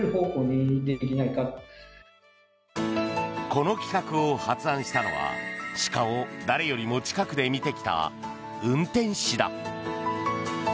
この企画を発案したのは鹿を誰よりも近くで見てきた運転士だ。